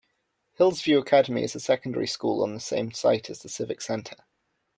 Hillsview Academy is a secondary school on the same site as the civic centre.